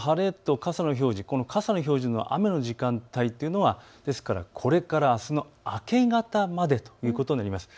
この傘の表示の雨の時間帯というのは、これからあすの明け方までとなります。